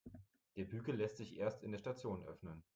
Der Bügel lässt sich erst in der Station öffnen.